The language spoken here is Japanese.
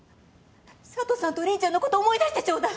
佐都さんと凛ちゃんのこと思い出してちょうだい！